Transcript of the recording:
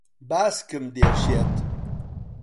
باسکم دێشێت.